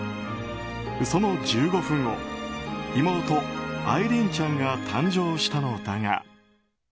その１５分後妹アイリーンちゃんが誕生したのだが。